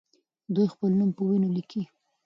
دوی خپل نوم په وینو لیکلی دی.